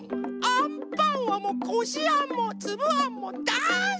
あんパンはもうこしあんもつぶあんもだいすきなのよね！